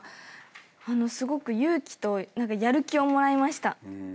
すごく勇気とやる気をもらいました。